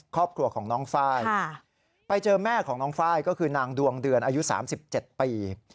ครอบครัวของน้องไฟล์ไปเจอแม่ของน้องไฟล์ก็คือนางดวงเดือนอายุ๓๗ปี